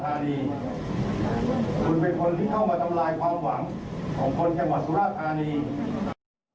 คุณเป็นคนที่เข้ามาทำลายความหวังของคนจังหวัดสุราธานี